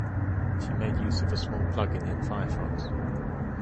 She made use of a small plug-in in Firefox